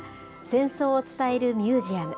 戦争を伝えるミュージアム。